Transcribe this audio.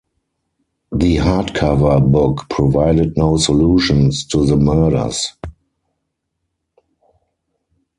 The hardcover book provided no solutions to the murders.